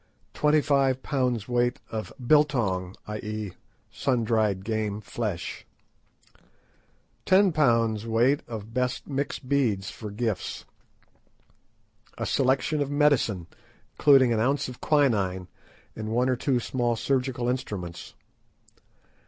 Twenty five pounds' weight of biltong—i.e. sun dried game flesh. Ten pounds' weight of best mixed beads for gifts. A selection of medicine, including an ounce of quinine, and one or two small surgical instruments.